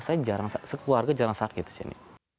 sekeluarga jarang sakit di sini